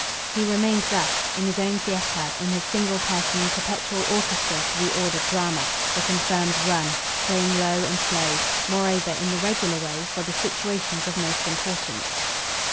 He remained thus, in his own theatre, in his single person, perpetual orchestra to the ordered drama, the confirmed "run"; playing low and slow, moreover, in the regular way, for the situations of most importance.